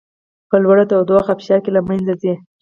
په لوړه تودوخې او فشار کې له منځه ځي.